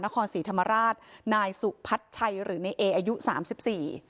นครศรีธรรมราชนายสุพัชชัยหรือในเออายุสามสิบสี่